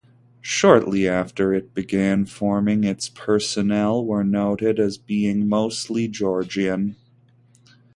Shortly after it began forming its personnel were noted as being mostly Georgian.